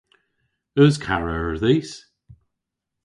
Eus karer dhis?